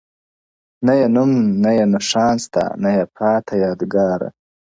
• نه یې نوم نه يې نښان سته نه یې پاته یادګاره..